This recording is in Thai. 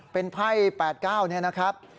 เป็นไพ่๘๙นี่นะครับ